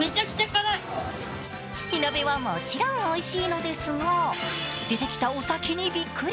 火鍋はもちろんおいしいのですが、出てきたお酒にびっくり。